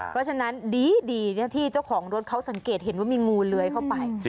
เพราะฉะนั้นดีที่เจ้าของรถเขาสังเกตเห็นว่ามีงูเลื้อยเข้าไป